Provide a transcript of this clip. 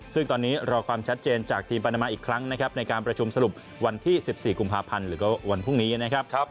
ซึ่งตอนนี้รอความชัดเจนจากทีมปานามาอีกครั้งนะครับในการประชุมสรุปวันที่๑๔กุมภาพันธ์หรือก็วันพรุ่งนี้นะครับ